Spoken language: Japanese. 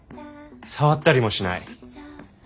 触ったりもしない。